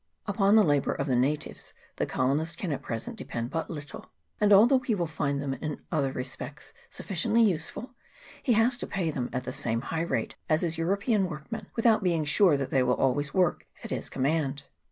Upon the labour of the natives the colonist can at present depend but little ; and although he will find them in other respects sufficiently useful, he has to pay them at the same high rate as his European workmen, without being sure that they will always work at his command.